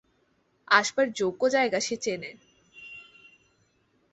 আসবার যোগ্য জয়গা সে চেনে।